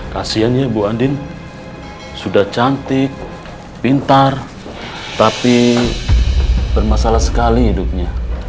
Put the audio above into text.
kasian ya ibu andin sudah cantik pintar tapi bermasalah sekali hidupnya